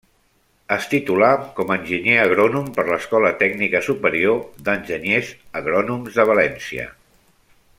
Es titulà com a enginyer agrònom per l'Escola Tècnica Superior d'Enginyers Agrònoms de València.